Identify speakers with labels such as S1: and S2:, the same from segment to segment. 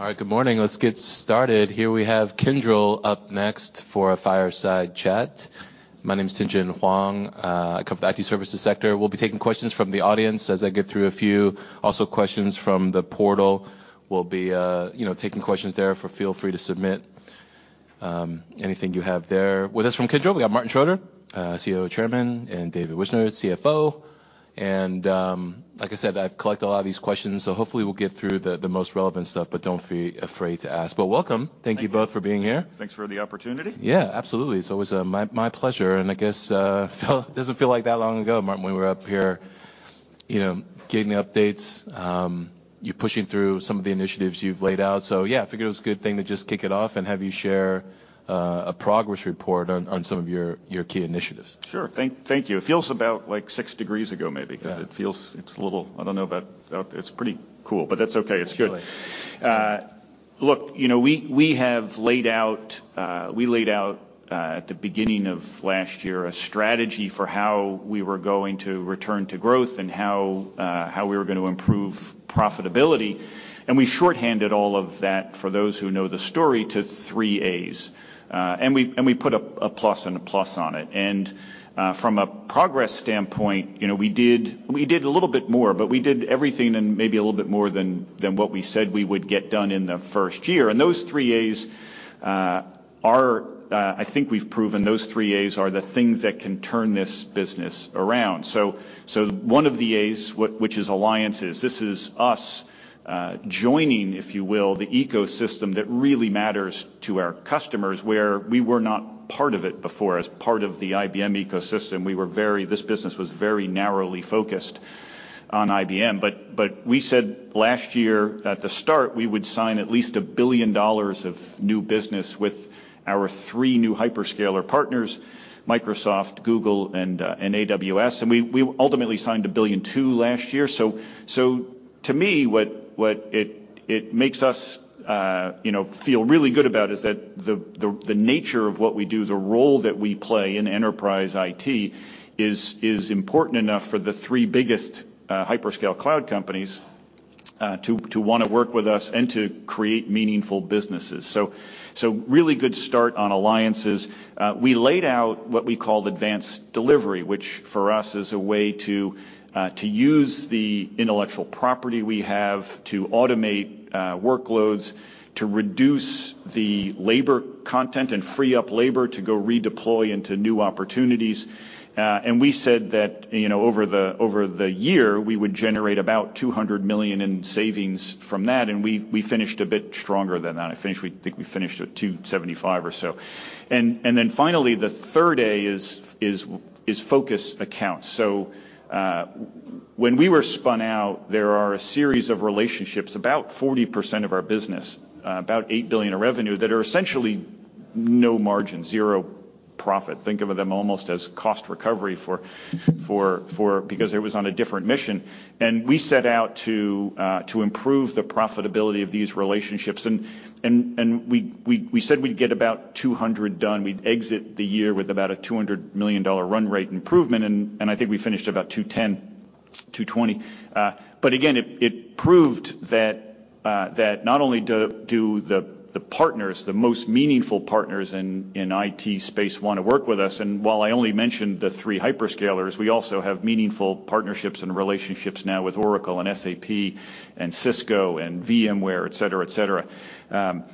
S1: All right. Good morning. Let's get started. Here we have Kyndryl up next for a fireside chat. My name is Tien-Tsin Huang. I come from the IT services sector. We'll be taking questions from the audience as I get through a few. Questions from the portal. We'll be, you know, taking questions there, for feel free to submit anything you have there. With us from Kyndryl, we got Martin Schroeter, CEO, Chairman, and David Wyshner, CFO. Like I said, I've collected a lot of these questions, so hopefully we'll get through the most relevant stuff, but don't feel afraid to ask. Welcome.
S2: Thank you.
S1: Thank you both for being here.
S2: Thanks for the opportunity.
S1: Yeah, absolutely. It's always my pleasure. I guess, doesn't feel like that long ago, Martin, when we were up here, you know, getting the updates, you pushing through some of the initiatives you've laid out. Yeah, I figured it was a good thing to just kick it off and have you share a progress report on some of your key initiatives.
S2: Sure. Thank you. It feels about like six degrees ago maybe.
S1: Yeah.
S2: It feels it's a little, I don't know about out there, it's pretty cool. That's okay, it's good.
S1: Absolutely.
S2: Look, you know, we have laid out, we laid out, at the beginning of last year a strategy for how we were going to return to growth and how we were gonna improve profitability, and we shorthanded all of that, for those who know the story, to three-A's. We put a plus and a plus on it. From a progress standpoint, you know, we did a little bit more, but we did everything and maybe a little bit more than what we said we would get done in the first year. Those three-A's, are, I think we've proven those three-A's are the things that can turn this business around. One of the A's, which is Alliances, this is us joining, if you will, the ecosystem that really matters to our customers, where we were not part of it before. As part of the IBM ecosystem, we were very, this business was very narrowly focused on IBM. We said last year at the start, we would sign at least $1 billion of new business with our three new hyperscaler partners, Microsoft, Google, and AWS, and we ultimately signed $1.2 billion last year. To me, what it makes us, you know, feel really good about is that the nature of what we do, the role that we play in enterprise IT is important enough for the three biggest hyperscale cloud companies to wanna work with us and to create meaningful businesses. Really good start on Alliances. We laid out what we called Advanced Delivery, which for us is a way to use the intellectual property we have to automate workloads, to reduce the labor content and free up labor to go redeploy into new opportunities. We said that, you know, over the year, we would generate about $200 million in savings from that, and we finished a bit stronger than that. I think finished, we think we finished at 275 or so. Finally, the third A is focus Accounts. When we were spun out, there are a series of relationships, about 40% of our business, about $8 billion of revenue, that are essentially no margin, zero profit. Think of them almost as cost recovery for, because it was on a different mission. We set out to improve the profitability of these relationships and we said we'd get about 200 done. We'd exit the year with about a $200 million run rate improvement, and I think we finished about $210-$220. Again, it proved that not only do the partners, the most meaningful partners in IT space wanna work with us, and while I only mentioned the three hyperscalers, we also have meaningful partnerships and relationships now with Oracle and SAP and Cisco and VMware, et cetera, et cetera.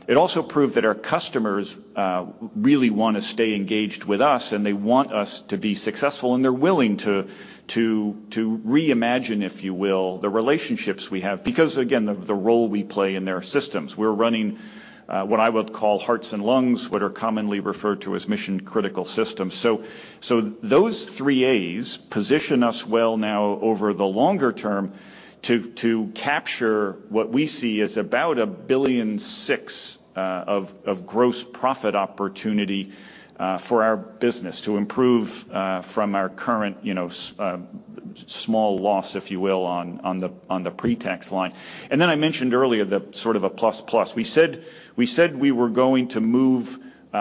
S2: It also proved that our customers really wanna stay engaged with us, and they want us to be successful, and they're willing to reimagine, if you will, the relationships we have because, again, the role we play in their systems. We're running what I would call hearts and lungs, what are commonly referred to as mission critical systems. Those three-A's position us well now over the longer term to capture what we see as about $1.6 billion of gross profit opportunity for our business to improve from our current, you know, small loss, if you will, on the pre-tax line. I mentioned earlier the sort of a plus plus. We said we were going to move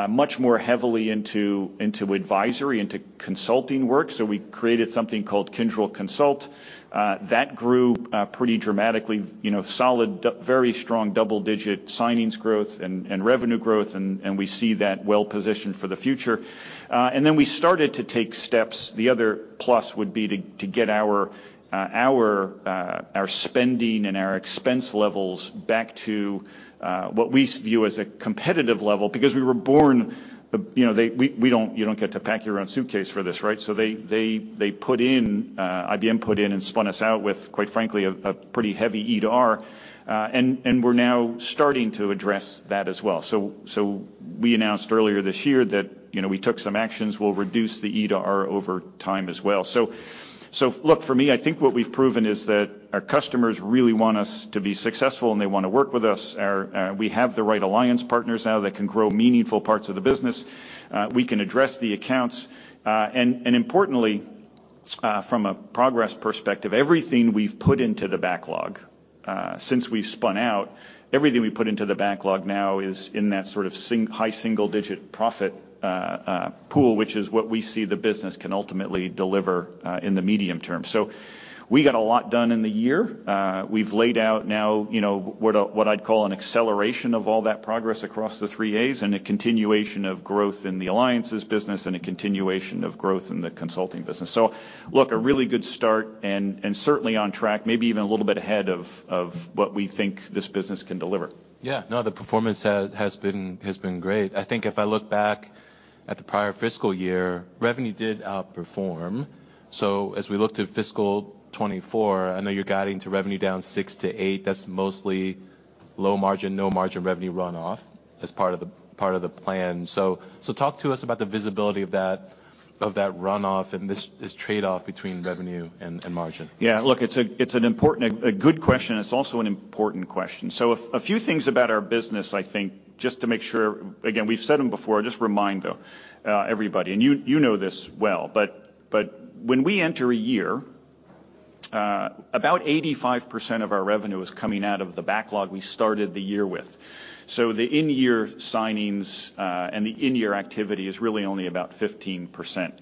S2: much more heavily into advisory, into consulting work, so we created something called Kyndryl Consult. That grew pretty dramatically, you know, solid very strong double-digit signings growth and revenue growth, and we see that well positioned for the future. We started to take steps. The other plus would be to get our spending and our expense levels back to what we view as a competitive level because we were born, you know, we don't, you don't get to pack your own suitcase for this, right? They put in IBM put in and spun us out with, quite frankly, a pretty heavy E to R. We're now starting to address that as well. We announced earlier this year that, you know, we took some actions. We'll reduce the E to R over time as well. Look, for me, I think what we've proven is that our customers really want us to be successful, and they wanna work with us. Our, we have the right alliance partners now that can grow meaningful parts of the business. We can address the Accounts. And importantly, from a progress perspective, everything we've put into the backlog since we've spun out, everything we put into the backlog now is in that sort of high single digit profit pool, which is what we see the business can ultimately deliver in the medium term. We got a lot done in the year. We've laid out now, you know, what I'd call an acceleration of all that progress across the three-A's and a continuation of growth in the alliances business and a continuation of growth in the consulting business. Look, a really good start and certainly on track, maybe even a little bit ahead of what we think this business can deliver.
S1: Yeah. No, the performance has been great. I think if I look back at the prior fiscal year, revenue did outperform. As we look to fiscal '24, I know you're guiding to revenue down 6%-8%. That's mostly low margin, no margin revenue runoff as part of the plan. Talk to us about the visibility of that runoff and this trade-off between revenue and margin.
S2: Yeah. Look, it's an important. A good question. It's also an important question. A few things about our business, I think, just to make sure, again, we've said them before, just remind everybody, and you know this well, but when we enter a year, about 85% of our revenue is coming out of the backlog we started the year with. The in-year signings, and the in-year activity is really only about 15%.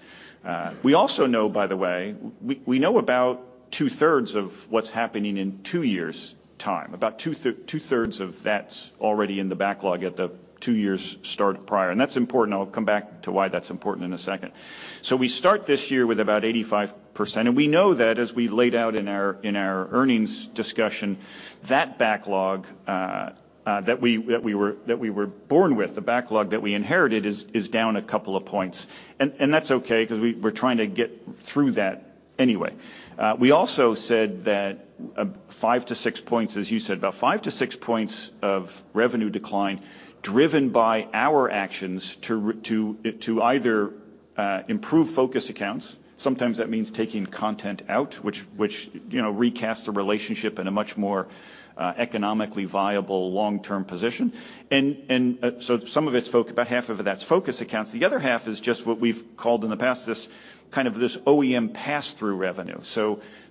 S2: We also know, by the way, we know about two-thirds of what's happening in two years' time. About two-thirds of that's already in the backlog at the two years start prior, and that's important. I'll come back to why that's important in a second. We start this year with about 85%, and we know that as we laid out in our, in our earnings discussion, that backlog that we were born with, the backlog that we inherited is down a couple of points. That's okay 'cause we're trying to get through that anyway. We also said that five to six points, as you said, about five to six points of revenue decline driven by our actions to either improve focus Accounts. Sometimes that means taking content out, which, you know, recasts the relationship in a much more economically viable long-term position. Some of it's about half of that's focus Accounts. The other half is just what we've called in the past, this kind of this OEM pass-through revenue.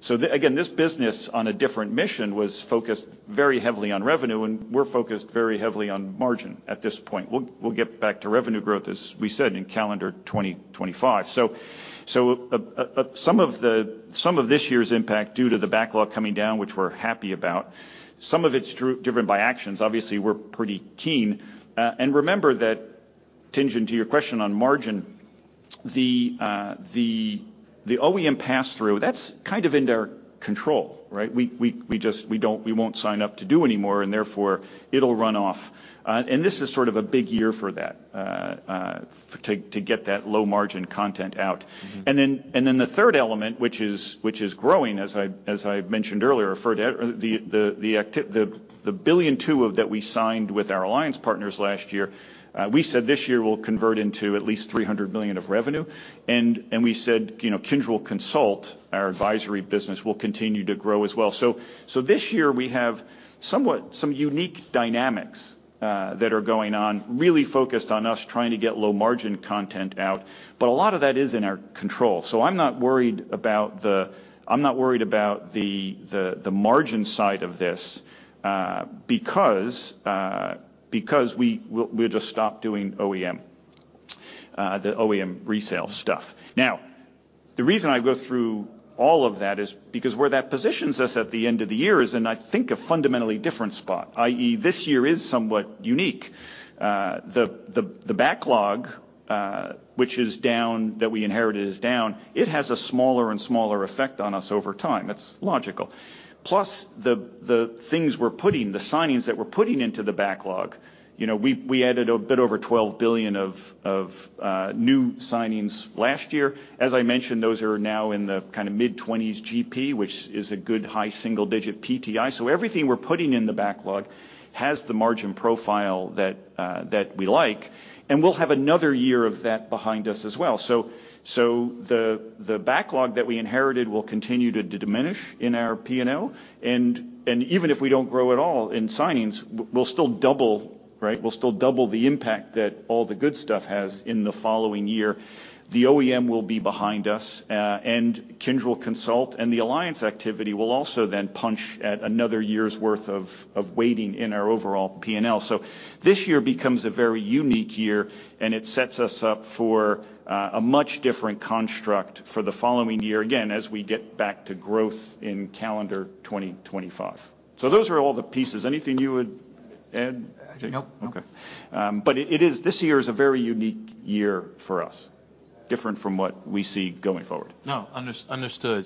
S2: Again, this business on a different mission was focused very heavily on revenue, and we're focused very heavily on margin at this point. We'll get back to revenue growth, as we said, in calendar 2025. Some of this year's impact due to the backlog coming down, which we're happy about, some of it's driven by actions. Obviously, we're pretty keen. Remember that, tinging to your question on margin, the OEM pass-through, that's kind of in their control, right? We just, we don't, we won't sign up to do anymore, and therefore, it'll run off. This is sort of a big year for that, for, to get that low-margin content out.
S1: Mm-hmm.
S2: The third element, which is growing, as I mentioned earlier, for the $1.2 billion of that we signed with our alliance partners last year, we said this year will convert into at least $300 million of revenue. We said, you know, Kyndryl Consult, our advisory business, will continue to grow as well. This year we have somewhat, some unique dynamics that are going on, really focused on us trying to get low-margin content out. A lot of that is in our control. I'm not worried about the margin side of this, because we'll just stop doing OEM the OEM resale stuff. The reason I go through all of that is because where that positions us at the end of the year is in, I think, a fundamentally different spot, i.e., this year is somewhat unique. The backlog, which is down, that we inherited is down, it has a smaller and smaller effect on us over time. That's logical. The things we're putting, the signings that we're putting into the backlog, you know, we added a bit over $12 billion of new signings last year. As I mentioned, those are now in the kinda mid-20s GP, which is a good high single-digit PTI. Everything we're putting in the backlog has the margin profile that we like, and we'll have another year of that behind us as well. The backlog that we inherited will continue to diminish in our P&L. Even if we don't grow at all in signings, we'll still double, right, we'll still double the impact that all the good stuff has in the following year. The OEM will be behind us, and Kyndryl Consult and the alliance activity will also then punch at another year's worth of weighting in our overall P&L. This year becomes a very unique year, and it sets us up for a much different construct for the following year, again, as we get back to growth in calendar 2025. Those are all the pieces. Anything you would add?
S3: Nope. Nope.
S2: Okay. It is, this year is a very unique year for us, different from what we see going forward.
S1: No. Under-understood.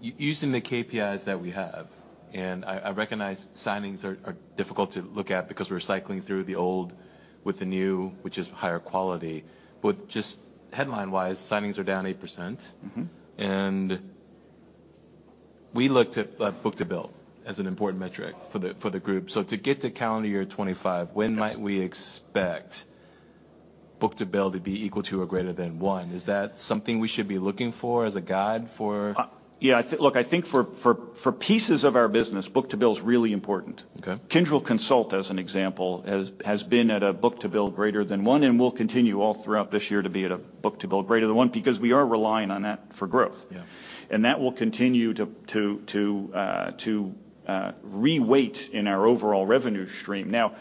S1: Using the KPIs that we have, and I recognize signings are difficult to look at because we're cycling through the old with the new, which is higher quality. Just headline-wise, signings are down 8%.
S2: Mm-hmm.
S1: We look to book-to-bill as an important metric for the group. To get to calendar 2025.
S2: Yes
S1: when might we expect book-to-bill to be equal to or greater than one? Is that something we should be looking for as a guide for-?
S2: Yeah, look, I think for pieces of our business, book-to-bill is really important.
S1: Okay.
S2: Kyndryl Consult, as an example, has been at a book-to-bill greater than one and will continue all throughout this year to be at a book-to-bill greater than one because we are relying on that for growth.
S1: Yeah.
S2: That will continue to reweight in our overall revenue stream. You know,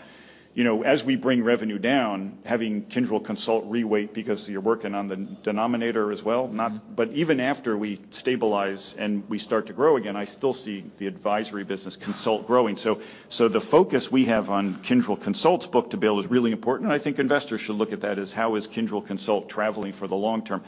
S2: as we bring revenue down, having Kyndryl Consult reweight because you're working on the denominator as well.
S1: Mm-hmm...
S2: but even after we stabilize and we start to grow again, I still see the advisory business consult growing. The focus we have on Kyndryl Consult's book-to-bill is really important, and I think investors should look at that as how is Kyndryl Consult traveling for the long term.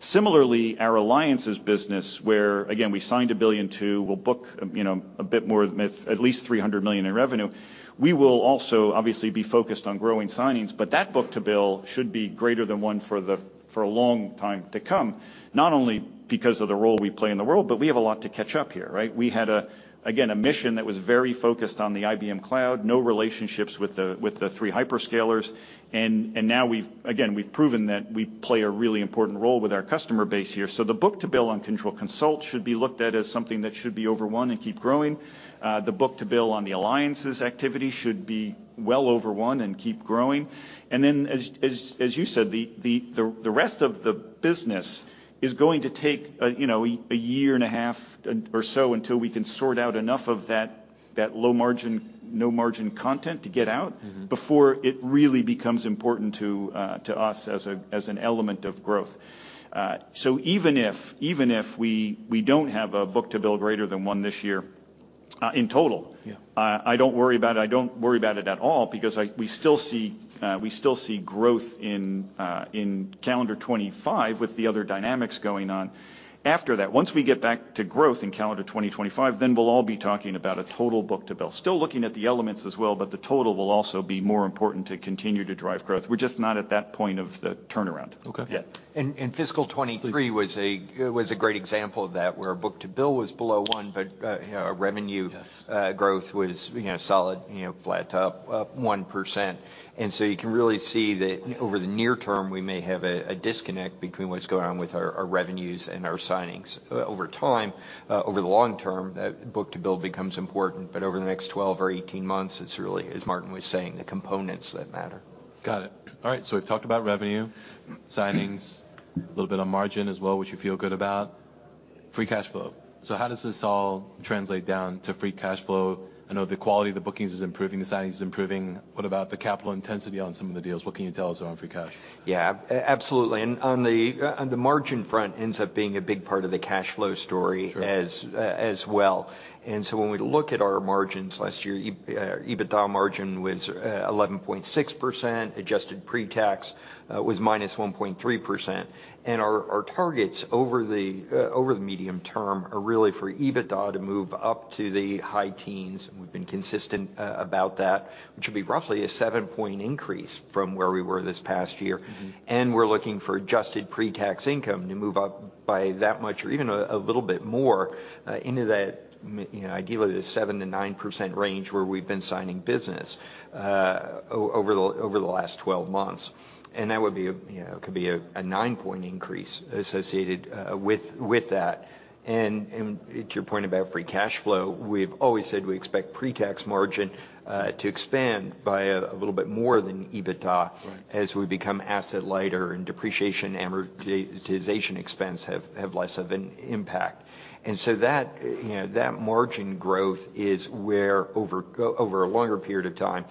S2: Similarly, our Alliances business where, again, we signed $1.2 billion, we'll book at least $300 million in revenue, we will also obviously be focused on growing signings, but that book-to-bill should be greater than one for the, for a long time to come, not only because of the role we play in the world, but we have a lot to catch up here, right? We had a, again, a mission that was very focused on the IBM Cloud, no relationships with the, with the three hyperscalers. Now we've... Again, we've proven that we play a really important role with our customer base here. The book-to-bill on Kyndryl Consult should be looked at as something that should be over 1 and keep growing. The book-to-bill on the Alliances activity should be well over 1 and keep growing. Then as you said, the rest of the business is going to take a, you know, a year and a half or so until we can sort out enough of that low margin, no margin content to get out...
S1: Mm-hmm...
S2: before it really becomes important to us as an element of growth. Even if we don't have a book-to-bill greater than 1 this year, in total-
S1: Yeah
S2: I don't worry about it. I don't worry about it at all because we still see growth in calendar '25 with the other dynamics going on after that. Once we get back to growth in calendar 2025, then we'll all be talking about a total book-to-bill. Still looking at the elements as well, but the total will also be more important to continue to drive growth. We're just not at that point of the turnaround.
S1: Okay.
S2: Yeah.
S3: fiscal 2023 was.
S1: Please...
S3: was a great example of that, where our book-to-bill was below one, but, you know, our revenue-
S2: Yes...
S3: growth was, you know, solid, you know, flat to up 1%. You can really see that over the near term, we may have a disconnect between what's going on with our revenues and our signings. Over time, over the long term, that book-to-bill becomes important, but over the next 12 or 18 months, it's really, as Martin was saying, the components that matter.
S1: Got it. All right, we've talked about revenue, signings, a little bit on margin as well, which you feel good about. Free cash flow. How does this all translate down to free cash flow? I know the quality of the bookings is improving, the signings is improving. What about the capital intensity on some of the deals? What can you tell us on free cash?
S3: Yeah. Absolutely. On the margin front ends up being a big part of the cash flow story.
S1: Sure...
S3: as well. When we look at our margins last year, EBITDA margin was 11.6%. adjusted pre-tax was -1.3%. Our targets over the medium term are really for EBITDA to move up to the high teens, and we've been consistent about that, which will be roughly a seven-point increase from where we were this past year.
S1: Mm-hmm.
S3: We're looking for adjusted pre-tax income to move up by that much or even a little bit more, you know, ideally the 7%-9% range where we've been signing business over the last 12 months. That would be, you know, could be a nine-point increase associated with that. To your point about free cash flow, we've always said we expect pre-tax margin to expand by a little bit more than EBITDA.
S1: Right...
S3: as we become asset lighter and depreciation, amortization expense have less of an impact. That, you know, that margin growth is where over a longer period of time,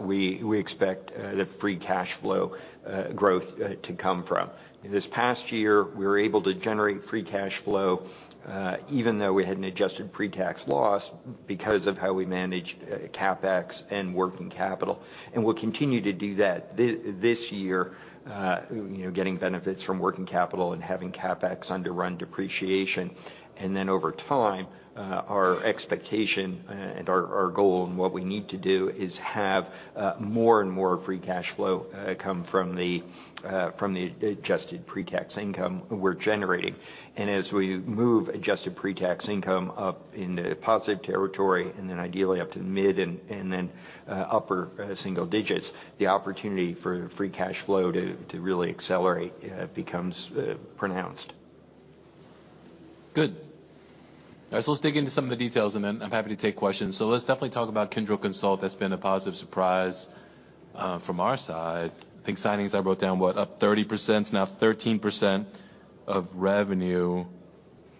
S3: we expect the free cash flow growth to come from. This past year, we were able to generate free cash flow even though we had an adjusted pre-tax loss because of how we manage CapEx and working capital, and we'll continue to do that this year, you know, getting benefits from working capital and having CapEx underrun depreciation. Over time, our expectation, and our goal and what we need to do is have more and more free cash flow come from the adjusted pre-tax income we're generating. As we move adjusted pre-tax income up into positive territory, and then ideally up to the mid and then, upper, single digits, the opportunity for free cash flow to really accelerate, becomes pronounced.
S1: Good. All right, let's dig into some of the details, and then I'm happy to take questions. Let's definitely talk about Kyndryl Consult. That's been a positive surprise from our side. I think signings I wrote down, what? Up 30%, now 13% of revenue.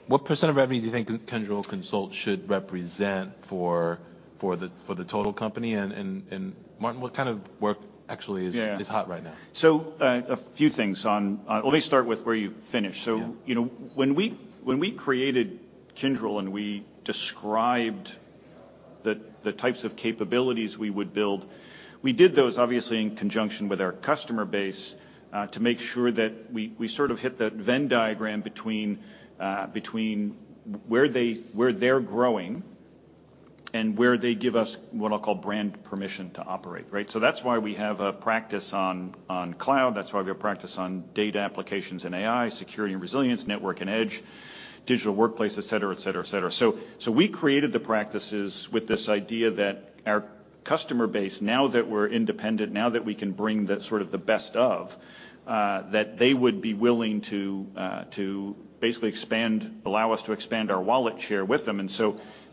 S1: What % of revenue do you think Kyndryl Consult should represent for the total company? Martin, what kind of work actually?
S2: Yeah...
S1: is hot right now?
S2: A few things on. Let me start with where you finished.
S1: Yeah.
S2: You know, when we, when we created Kyndryl, and we described the types of capabilities we would build, we did those obviously in conjunction with our customer base, to make sure that we sort of hit that Venn diagram between where they, where they're growing and where they give us what I'll call brand permission to operate, right? That's why we have a practice on cloud. That's why we have practice on Applications, Data & AI, Security & Resiliency, Network & Edge, Digital Workplace, et cetera, et cetera, et cetera. We created the practices with this idea that our customer base, now that we're independent, now that we can bring the sort of the best of, that they would be willing to basically expand, allow us to expand our wallet share with them.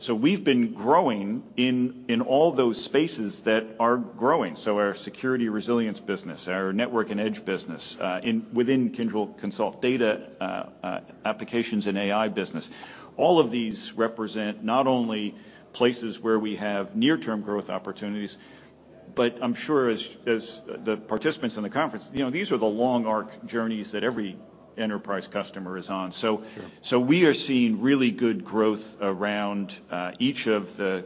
S2: We've been growing in all those spaces that are growing. Our Security & Resiliency business, our Network & Edge business, within Kyndryl Consult data, Applications and AI business. All of these represent not only places where we have near-term growth opportunities, but I'm sure as the participants in the conference, you know, these are the long arc journeys that every enterprise customer is on.
S1: Sure
S2: We are seeing really good growth around each of the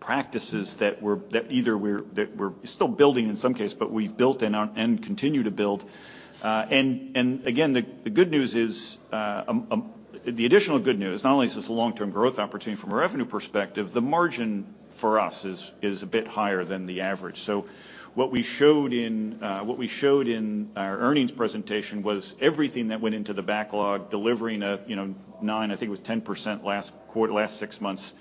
S2: practices that we're, that either we're, that we're still building in some case, but we've built and continue to build. Again, the good news is, the additional good news, not only is this a long-term growth opportunity from a revenue perspective, the margin for us is a bit higher than the average. What we showed in our earnings presentation was everything that went into the backlog, delivering a, you know, nine, I think it was 10% last six months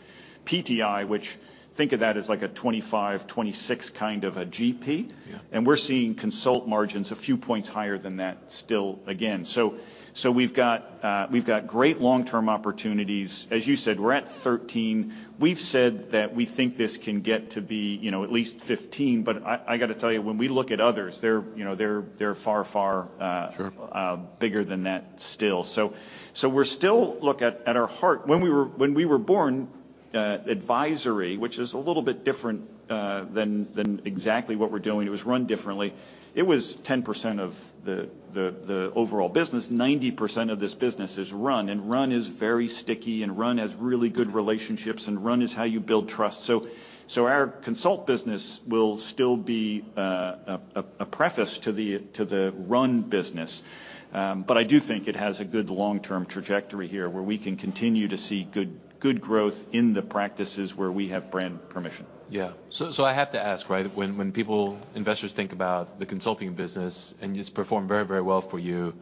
S2: PTI, which think of that as like a 25%-26% kind of a GP.
S1: Yeah.
S2: We're seeing consult margins a few points higher than that still again. We've got great long-term opportunities. As you said, we're at 13. We've said that we think this can get to be, you know, at least 15, but I gotta tell you, when we look at others, they're, you know, they're far.
S1: Sure
S2: bigger than that still. We're still look at our heart. When we were born, advisory, which is a little bit different than exactly what we're doing, it was run differently. It was 10% of the overall business. 90% of this business is run, and run is very sticky, and run has really good relationships, and run is how you build trust. Our consult business will still be a preface to the run business. I do think it has a good long-term trajectory here, where we can continue to see good growth in the practices where we have brand permission.
S1: Yeah. I have to ask, right, when people, investors think about the consulting business, and it's performed very, very well for you,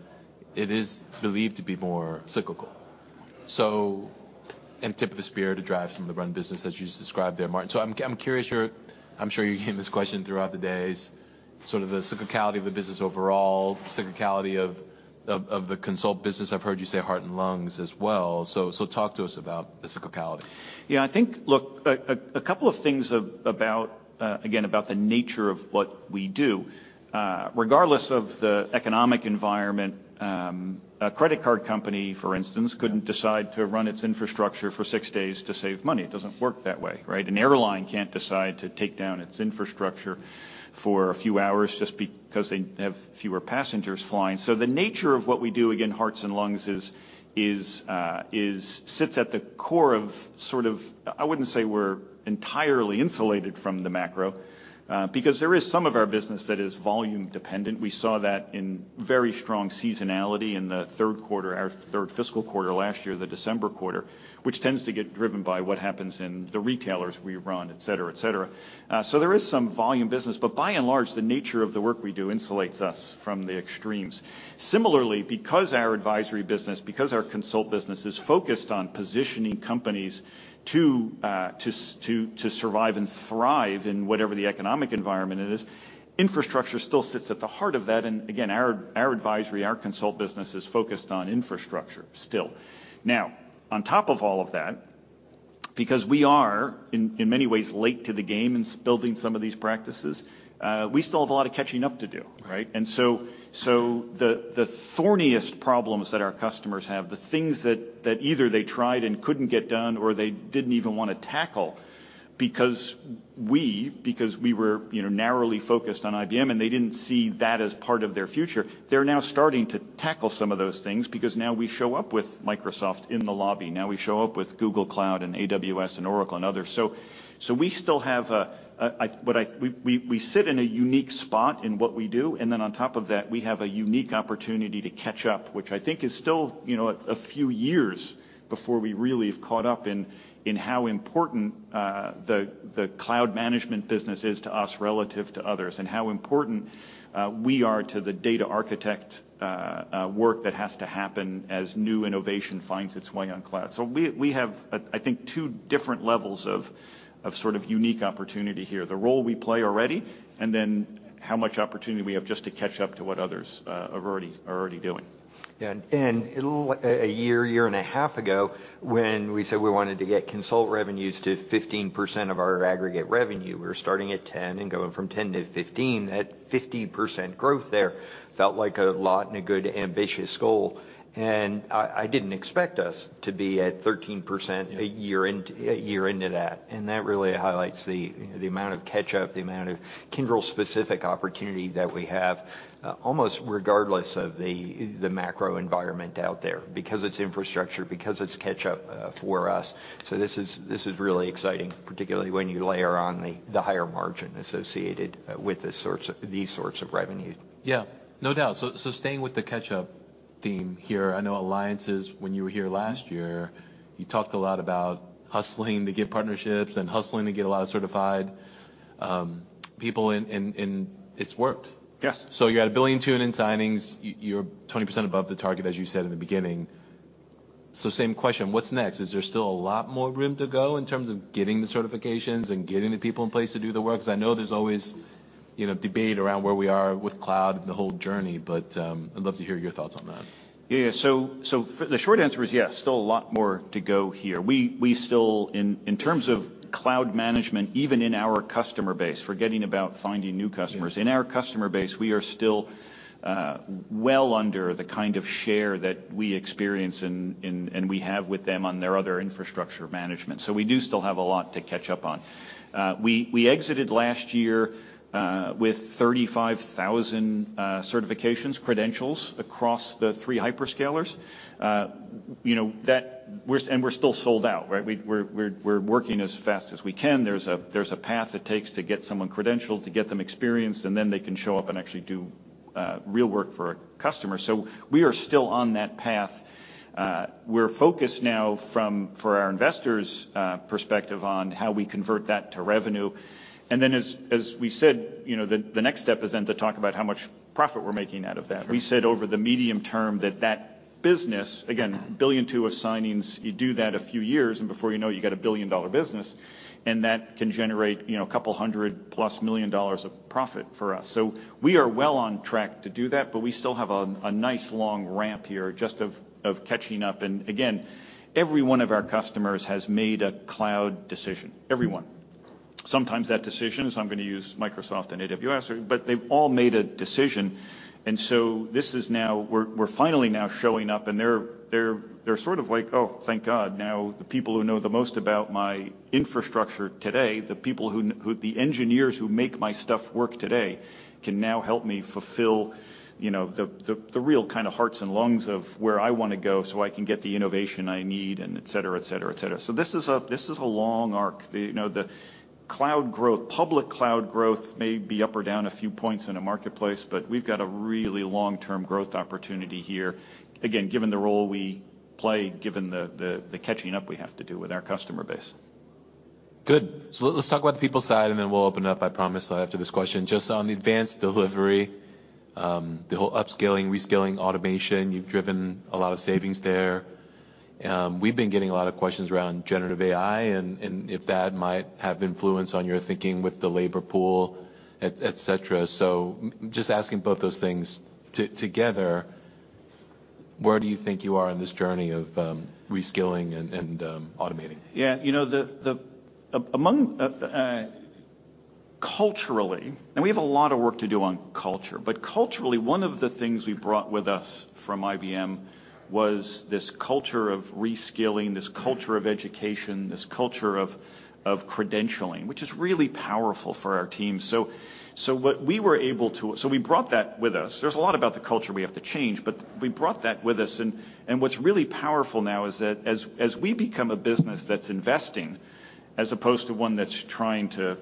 S1: it is believed to be more cyclical. And tip of the spear to drive some of the run business as you just described there, Martin. I'm curious your I'm sure you're getting this question throughout the days, sort of the cyclicality of the business overall, cyclicality of the consult business. I've heard you say heart and lungs as well. Talk to us about the cyclicality.
S2: Yeah. I think, look, a couple of things about, again, about the nature of what we do. Regardless of the economic environment, a credit card company, for instance, couldn't decide to run its infrastructure for six days to save money. It doesn't work that way, right? An airline can't decide to take down its infrastructure for a few hours just because they have fewer passengers flying. The nature of what we do, again, hearts and lungs, is, sits at the core of sort of... I wouldn't say we're entirely insulated from the macro because there is some of our business that is volume dependent. We saw that in very strong seasonality in the third quarter, our third fiscal quarter last year, the December quarter, which tends to get driven by what happens in the retailers we run, et cetera, et cetera. There is some volume business, but by and large, the nature of the work we do insulates us from the extremes. Similarly, because our advisory business, because our Consult business is focused on positioning companies to survive and thrive in whatever the economic environment it is, infrastructure still sits at the heart of that. Our advisory, our Consult business is focused on infrastructure still. On top of all of that, because we are in many ways late to the game in building some of these practices, we still have a lot of catching up to do, right?
S1: Right.
S2: The thorniest problems that our customers have, the things that either they tried and couldn't get done or they didn't even wanna tackle because we were, you know, narrowly focused on IBM and they didn't see that as part of their future, they're now starting to tackle some of those things because now we show up with Microsoft in the lobby. Now we show up with Google Cloud and AWS and Oracle and others. We still have a unique spot in what we do, and then on top of that, we have a unique opportunity to catch up, which I think is still, you know, a few years before we really have caught up in how important the cloud management business is to us relative to others and how important we are to the data architect work that has to happen as new innovation finds its way on cloud. We have a, I think, 2 different levels of sort of unique opportunity here, the role we play already and then how much opportunity we have just to catch up to what others have already, are already doing.
S1: Yeah. It'll. A year and a half ago, when we said we wanted to get Consult revenues to 15% of our aggregate revenue, we were starting at 10 and going from 10 to 15. That 50% growth there felt like a lot and a good ambitious goal, I didn't expect us to be at 13%.
S2: Yeah...
S1: a year into that. That really highlights the, you know, the amount of catch-up, the amount of Kyndryl-specific opportunity that we have, almost regardless of the macro environment out there because it's infrastructure, because it's catch-up for us. This is really exciting, particularly when you layer on the higher margin associated with these sorts of revenue.
S2: Yeah. No doubt.
S1: Staying with the catch-up theme here, I know Alliances, when you were here last year-
S2: Mm-hmm...
S1: you talked a lot about hustling to get partnerships and hustling to get a lot of certified, people in, and it's worked.
S2: Yes.
S1: You're at $1.2 billion in signings. You're 20% above the target, as you said in the beginning. Same question. What's next? Is there still a lot more room to go in terms of getting the certifications and getting the people in place to do the work? 'Cause I know there's always, you know, debate around where we are with cloud and the whole journey, but, I'd love to hear your thoughts on that.
S2: Yeah, yeah. The short answer is, yes, still a lot more to go here. We still in terms of cloud management, even in our customer base, forgetting about finding new customers.
S1: Yeah...
S2: in our customer base, we are still well under the kind of share that we experience and we have with them on their other infrastructure management. We do still have a lot to catch up on. We exited last year with 35,000 certifications, credentials across the three hyperscalers. You know, that And we're still sold out, right? We're working as fast as we can. There's a path it takes to get someone credentialed, to get them experienced, and then they can show up and actually do real work for a customer. We are still on that path. We're focused now for our investors' perspective on how we convert that to revenue. As we said, you know, the next step is then to talk about how much profit we're making out of that.
S1: Sure.
S2: We said over the medium term that that business, again, $1.2 billion of signings, you do that a few years, and before you know it, you got a $1 billion business. That can generate, you know, $200+ million of profit for us. We are well on track to do that, but we still have a nice long ramp here just of catching up. Again, every one of our customers has made a cloud decision. Every one. Sometimes that decision is, "I'm gonna use Microsoft and AWS," or... They've all made a decision. We're finally now showing up, and they're sort of like, "Oh, thank God. The people who know the most about my infrastructure today, the people who the engineers who make my stuff work today can now help me fulfill, you know, the, the real kind of hearts and lungs of where I wanna go, so I can get the innovation I need," and et cetera, et cetera, et cetera. This is a, this is a long arc. The, you know, the cloud growth, public cloud growth may be up or down a few points in a marketplace, but we've got a really long-term growth opportunity here, again, given the role we play, given the, the catching up we have to do with our customer base.
S1: Good. Let's talk about the people side, and then we'll open it up, I promise, after this question. Just on the Advanced Delivery, the whole upscaling, rescaling, automation, you've driven a lot of savings there. We've been getting a lot of questions around generative AI and if that might have influence on your thinking with the labor pool, et cetera. Just asking both those things together, where do you think you are on this journey of reskilling and automating?
S2: Yeah. You know, Culturally, and we have a lot of work to do on culture, but culturally, one of the things we brought with us from IBM was this culture of reskilling, this culture of education, this culture of credentialing, which is really powerful for our team. We brought that with us. There's a lot about the culture we have to change, but we brought that with us, and what's really powerful now is that as we become a business that's investing, as opposed to one that's trying to,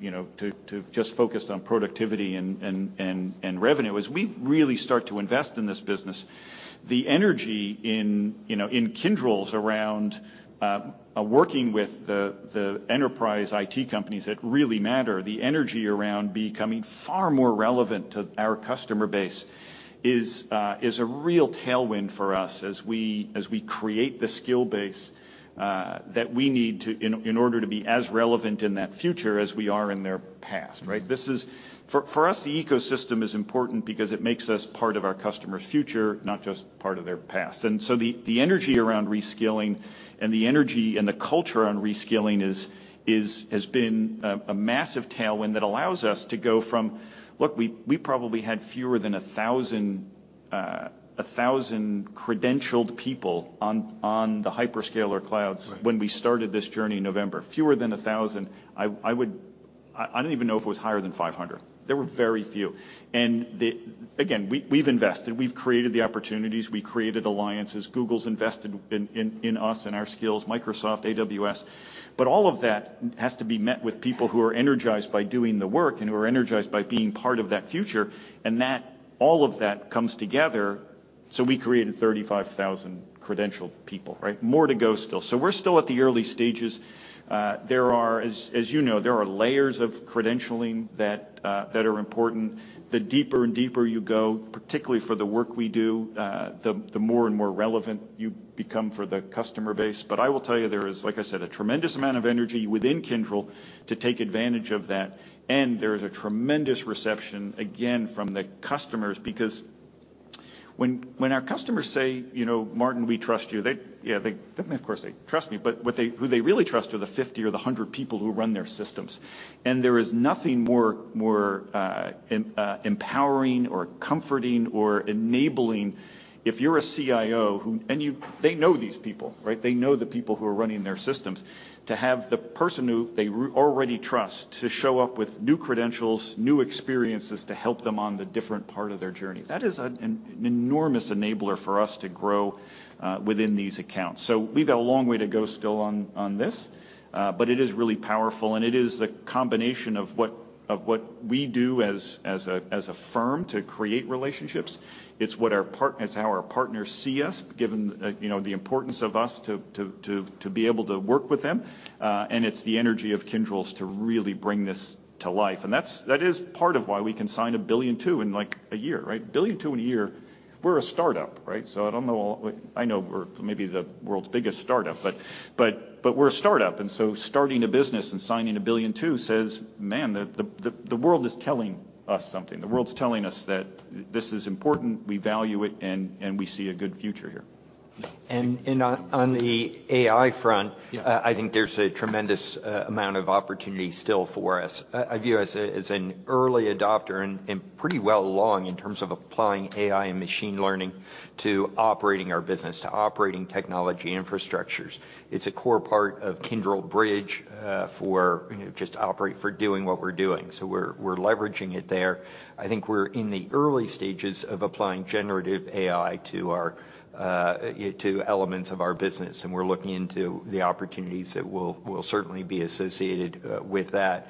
S2: you know, to just focus on productivity and revenue, as we really start to invest in this business, the energy in, you know, in Kyndryl's around working with the enterprise IT companies that really matter, the energy around becoming far more relevant to our customer base is a real tailwind for us as we, as we create the skill base that we need to, in order to be as relevant in that future as we are in their past, right? This is... For us, the ecosystem is important because it makes us part of our customers' future, not just part of their past. The energy around reskilling and the energy and the culture around reskilling has been a massive tailwind that allows us to go from. Look, we probably had fewer than 1,000 credentialed people on the hyperscaler clouds.
S1: Right
S2: ...when we started this journey in November. Fewer than 1,000. I don't even know if it was higher than 500. There were very few. Again, we've invested. We've created the opportunities. We created alliances. Google's invested in us and our skills, Microsoft, AWS. All of that has to be met with people who are energized by doing the work and who are energized by being part of that future, and all of that comes together. We created 35,000 credentialed people, right? More to go still. We're still at the early stages. There are, as you know, there are layers of credentialing that are important. The deeper and deeper you go, particularly for the work we do, the more and more relevant you become for the customer base. I will tell you, there is, like I said, a tremendous amount of energy within Kyndryl to take advantage of that, and there is a tremendous reception, again, from the customers. When our customers say, you know, "Martin, we trust you," they, definitely of course they trust me, but what they, who they really trust are the 50 or the 100 people who run their systems. There is nothing more empowering or comforting or enabling if you're a CIO. They know these people, right? They know the people who are running their systems. To have the person who they already trust to show up with new credentials, new experiences to help them on the different part of their journey, that is an enormous enabler for us to grow within these Accounts. We've got a long way to go still on this, but it is really powerful, and it is the combination of what we do as a firm to create relationships. It's how our partners see us, given, you know, the importance of us to be able to work with them, and it's the energy of Kyndryl's to really bring this to life. That is part of why we can sign $1.2 billion in, like, a year, right? $1.2 billion in a year. We're a startup, right? I know we're maybe the world's biggest startup, but we're a startup. Starting a business and signing $1.2 billion says, "Man, the world is telling us something. The world's telling us that this is important, we value it, and we see a good future here."
S3: On the AI front-
S1: Yeah...
S3: I think there's a tremendous amount of opportunity still for us. I view us as an early adopter and pretty well along in terms of applying AI and machine learning to operating our business, to operating technology infrastructures. It's a core part of Kyndryl Bridge, for, you know, just to operate for doing what we're doing. We're leveraging it there. I think we're in the early stages of applying generative AI to our to elements of our business, and we're looking into the opportunities that will certainly be associated with that.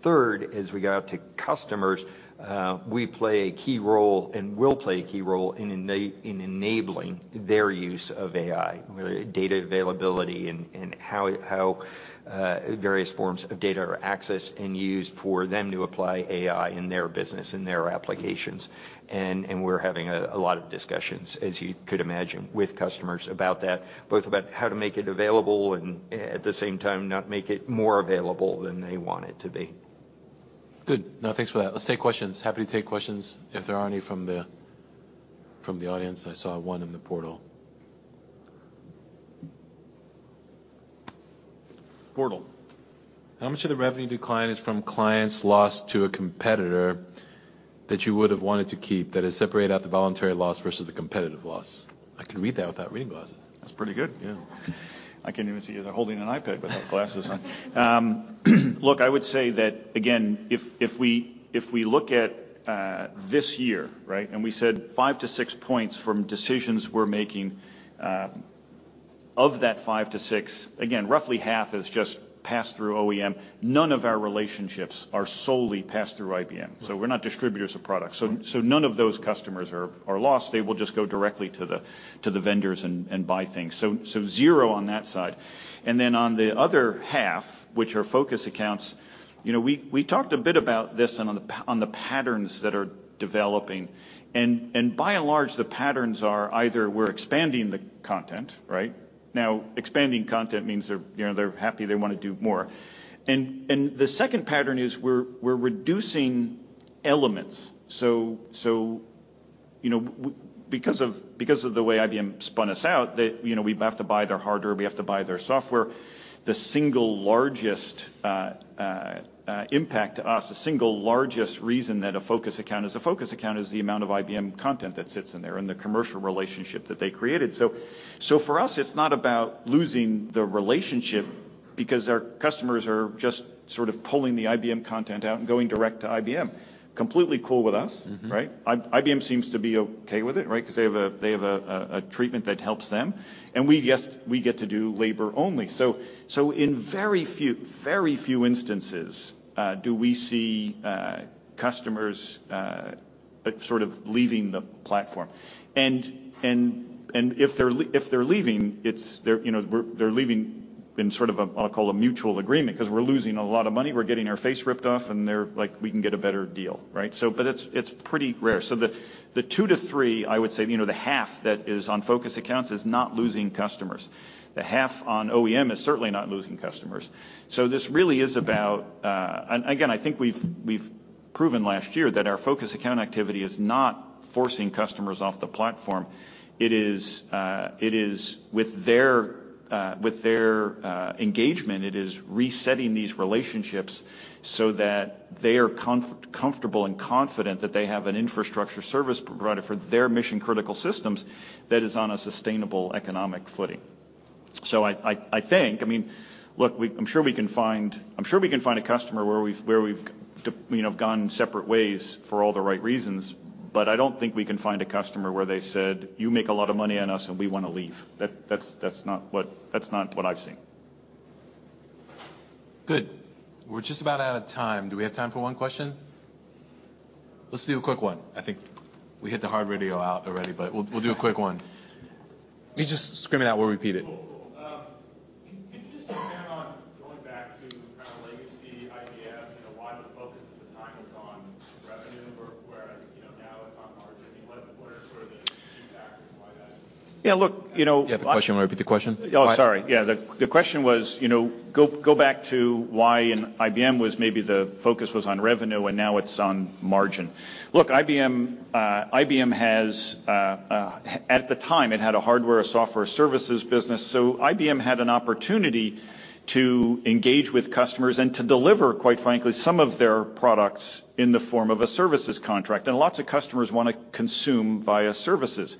S3: Third, as we go out to customers, we play a key role and will play a key role in enabling their use of AI, data availability and how various forms of data are accessed and used for them to apply AI in their business, in their applications. We're having a lot of discussions, as you could imagine, with customers about that, both about how to make it available and at the same time not make it more available than they want it to be.
S1: Good. No, thanks for that. Let's take questions. Happy to take questions if there are any from the audience. I saw one in the portal. How much of the revenue decline is from clients lost to a competitor that you would have wanted to keep, that has separated out the voluntary loss versus the competitive loss? I can read that without reading glasses.
S2: That's pretty good.
S1: Yeah.
S2: I can't even see you there holding an iPad without glasses on. Look, I would say that again, if we, if we look at this year, right? We said 5 to 6 points from decisions we're making, of that five to six, again, roughly half is just pass through OEM. None of our relationships are solely pass through IBM.
S1: Mm-hmm.
S2: We're not distributors of products.
S1: Right.
S2: None of those customers are lost. They will just go directly to the vendors and buy things. Zero on that side. Then on the other half, which are focus accounts, you know, we talked a bit about this and on the patterns that are developing. By and large, the patterns are either we're expanding the content, right? Now, expanding content means you know, they're happy, they wanna do more. The second pattern is we're reducing elements. You know, because of the way IBM spun us out, that, you know, we have to buy their hardware, we have to buy their software. The single largest impact to us, the single largest reason that a focus account is a focus account is the amount of IBM content that sits in there and the commercial relationship that they created. For us, it's not about losing the relationship because our customers are just sort of pulling the IBM content out and going direct to IBM. Completely cool with us.
S1: Mm-hmm.
S2: Right? IBM seems to be okay with it, right? 'Cause they have a treatment that helps them. We get to do labor only. In very few instances do we see customers sort of leaving the platform. If they're leaving, it's, you know, they're leaving in sort of a, I'll call a mutual agreement 'cause we're losing a lot of money, we're getting our face ripped off, and they're like, "We can get a better deal," right? But it's pretty rare. The 2-3, I would say, you know, the half that is on focus Accounts is not losing customers. The half on OEM is certainly not losing customers. This really is about. Again, I think we've proven last year that our focus account activity is not forcing customers off the platform. It is with their engagement, it is resetting these relationships so that they are comfortable and confident that they have an infrastructure service provider for their mission-critical systems that is on a sustainable economic footing. I think, I mean, look. I'm sure we can find a customer where we've you know, gone separate ways for all the right reasons. I don't think we can find a customer where they said, "You make a lot of money on us, and we wanna leave." That's not what I've seen.
S1: Good. We're just about out of time. Do we have time for one question? Let's do a quick one. I think we hit the hard radio out already. We'll do a quick one. You just scream it out. We'll repeat it.
S4: Cool, cool. Can you just expand on going back to kind of legacy IBM, you know, why the focus at the time was on revenue work, whereas, you know, now it's on margin? What are sort of the key factors why that is?
S2: Yeah, look, you know.
S1: You have the question? Want to repeat the question?
S2: Oh, sorry. Yeah. The question was, you know, go back to why in IBM was maybe the focus was on revenue, and now it's on margin. Look, IBM has. At the time, it had a hardware, a software services business. IBM had an opportunity to engage with customers and to deliver, quite frankly, some of their products in the form of a services contract. Lots of customers wanna consume via services.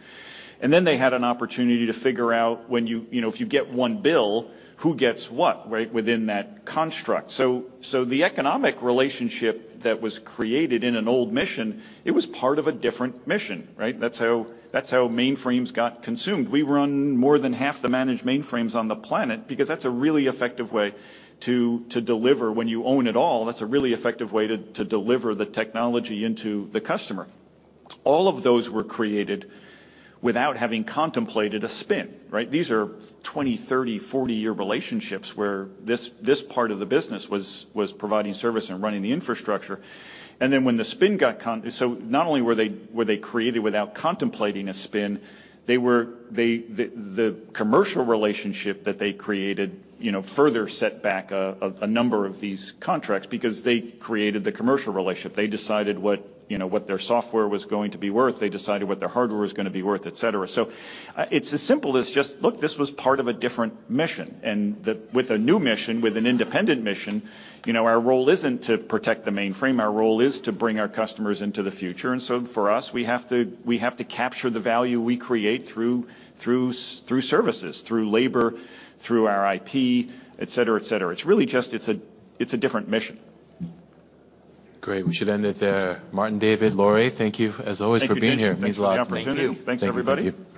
S2: Then they had an opportunity to figure out when you know, if you get one bill, who gets what, right, within that construct. So the economic relationship that was created in an old mission, it was part of a different mission, right? That's how mainframes got consumed. We run more than half the managed mainframes on the planet because that's a really effective way to deliver. When you own it all, that's a really effective way to deliver the technology into the customer. All of those were created without having contemplated a spin, right? These are 20, 30, 40-year relationships where this part of the business was providing service and running the infrastructure. Not only were they created without contemplating a spin, the commercial relationship that they created, you know, further set back a number of these contracts because they created the commercial relationship. They decided what, you know, their software was going to be worth. They decided what their hardware was gonna be worth, et cetera. It's as simple as just, look, this was part of a different mission. With a new mission, with an independent mission, you know, our role isn't to protect the mainframe. Our role is to bring our customers into the future. For us, we have to capture the value we create through services, through labor, through our IP, et cetera. It's really just, it's a, it's a different mission.
S1: Great. We should end it there. Martin, David, Laurie, thank you as always for being here.
S2: Thank you, Tien-tsin.
S1: It means a lot.
S2: Thanks for the opportunity.
S1: Thank you.
S2: Thanks, everybody.